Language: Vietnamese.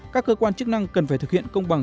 các cơ quan chức năng cần phải thực hiện công bằng